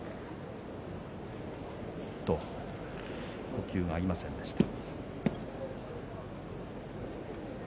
呼吸が合いませんでした。